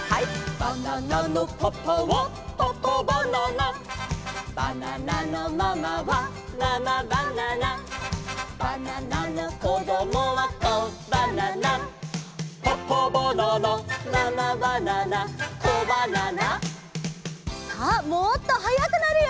「バナナのパパはパパバナナ」「バナナのママはママバナナ」「バナナのこどもはコバナナ」「パパバナナママバナナコバナナ」さあもっとはやくなるよ！